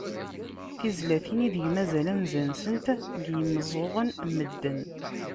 Tizlatin ideg mazal anza-nsent deg yimeẓẓuɣen n medden.